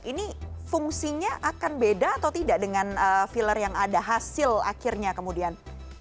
ini fungsinya akan beda atau tidak dengan filler yang ada hasil akhirnya kemudian